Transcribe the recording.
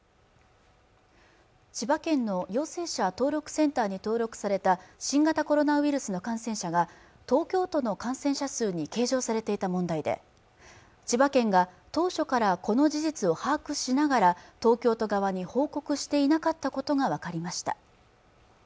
千葉県の陽性者登録センターに登録された新型コロナウイルスの感染者が東京都の感染者数に計上されていた問題で千葉県が当初からこの事実を把握しながら東京都側に報告していなかったことが分かりました